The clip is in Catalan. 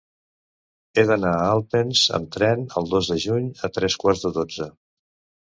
He d'anar a Alpens amb tren el dos de juny a tres quarts de dotze.